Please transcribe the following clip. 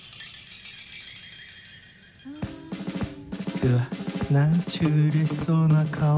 うわ何ちゅううれしそうな顔